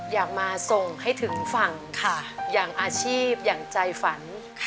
อยากมาส่งให้ถึงฝั่งค่ะอย่างอาชีพอย่างใจฝัน